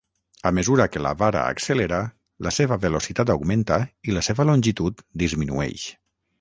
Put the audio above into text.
A mesura que la vara accelera, la seva velocitat augmenta i la seva longitud disminueix.